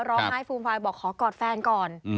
ร้องไห้ฟูมฟายบอกขอกอดแฟนก่อน